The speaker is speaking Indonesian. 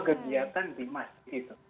kegiatan di masjid itu